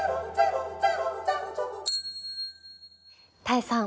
多江さん